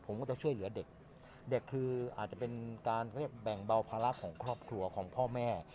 ผมก็จะช่วยเหลือเด็กเด็กคืออาจจะเป็นการแบ่งเบาภาระของครอบครัวของพ่อแม่